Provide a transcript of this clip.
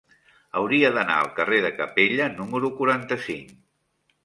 Hauria d'anar al carrer de Capella número quaranta-cinc.